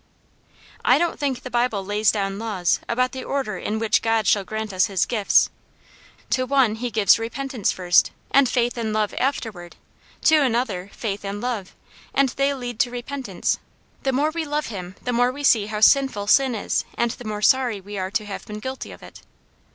" I don't think the Bible lays down laws about the order in which God shall grant us His gifts. To one Aunt Janets Hero. 207 He gives repentance first, and faith and love after ward ; to another, faith and love, and they lead to repentance. The more we love Him the more we see how sinful sin is, and the more sorry we are to have been guilty of it."